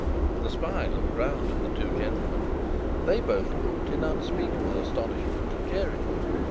The spy looked round at the two gentlemen; they both looked in unspeakable astonishment at Jerry.